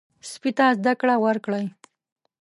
سپي ته زده کړه ورکړئ.